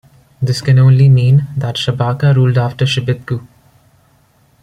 This can only mean that Shabaka ruled after Shebitku.